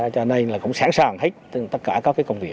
cho nên là cũng sẵn sàng hết tất cả các công việc